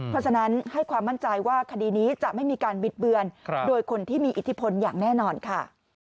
เพราะฉะนั้นให้ความมั่นใจว่าคดีนี้จะไม่มีการบิดเบือนโดยคนที่มีอิทธิพลอย่างแน่นอนค่ะ